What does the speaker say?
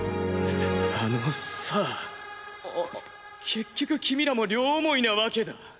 結局君らも両思いなわけだ。